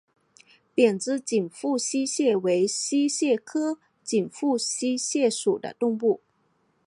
扁肢紧腹溪蟹为溪蟹科紧腹溪蟹属的动物。